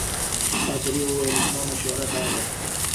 پادري وویل زما مشوره دا ده.